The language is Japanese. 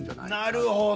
なるほど！